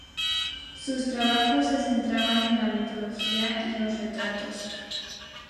Sus trabajos se centraban en la mitología y los retratos.